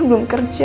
aku akan cari kerja